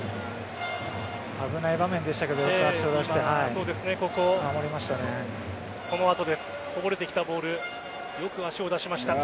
危ない場面でしたけど守りましたね。